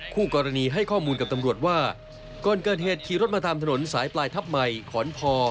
คู่กรณีให้ข้อมูลกับตำรวจว่าก่อนเกิดเหตุขี่รถมาตามถนนสายปลายทับใหม่ขอนพอ